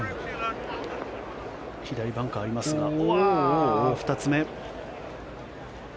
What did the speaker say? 左、バンカーありますが２つ目。